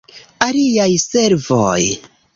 Aliaj servoj.